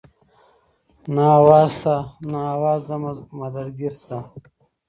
نه اواز شته نه اواز د مدد ګير شته